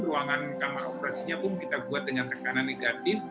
ruangan kamar operasinya pun kita buat dengan tekanan negatif